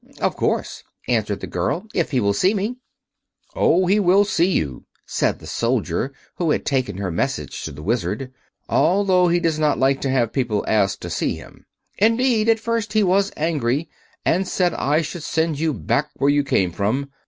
"Of course," answered the girl, "if he will see me." "Oh, he will see you," said the soldier who had taken her message to the Wizard, "although he does not like to have people ask to see him. Indeed, at first he was angry and said I should send you back where you came from.